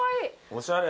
おしゃれ。